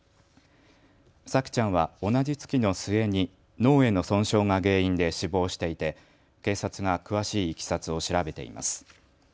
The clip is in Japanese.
沙季ちゃんは同じ月の末に脳への損傷が原因で死亡していて警察が詳しいいきさつを調べています。